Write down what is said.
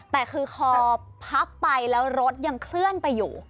แต่คือพอพับไปแล้วรถยังเคลื่อนไปอยู่